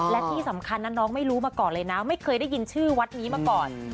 และที่สำคัญนะน้องไม่รู้มาก่อนเลยนะไม่เคยได้ยินชื่อวัดนี้มาก่อน